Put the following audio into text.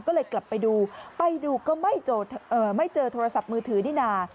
ก็เลยกลับไปดูไปดูก็ไม่เจอโทรศัพท์มือถือนี่นา